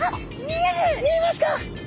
見えますか？